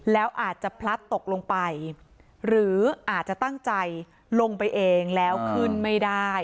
แล้วอาจจะพลัดตกลงไปหรืออาจจะตั้งใจลงไปเองแล้วขึ้นไม่ได้